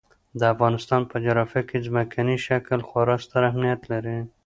د افغانستان په جغرافیه کې ځمکنی شکل خورا ستر اهمیت لري.